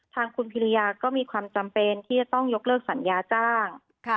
ทางคุณพิริยาก็มีความจำเป็นที่จะต้องยกเลิกสัญญาจ้าง